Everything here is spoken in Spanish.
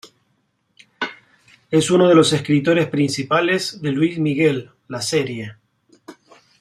Es uno de los escritores principales de "Luis Miguel la serie"